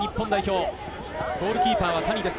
ゴールキーパーは谷です。